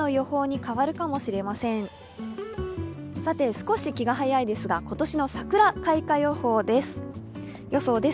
少し気が早いですが、今年の桜開花予想です。